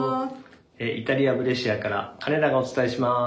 イタリア・ブレーシアから金田がお伝えします。